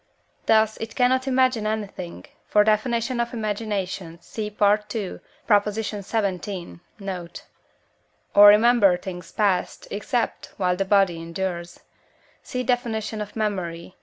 Thus it cannot imagine anything (for definition of Imagination, see II. xvii. note), or remember things past, except while the body endures (see definition of Memory, II.